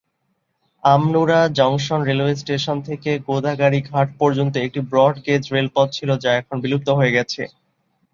Amnura junction railway station থেকে গোদাগাড়ী ঘাট পর্যন্ত একটি ব্রডগেজ রেলপথ ছিলো যা এখন বিলুপ্ত হয়ে গেছে।